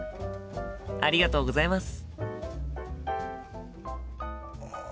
ありがとうございます。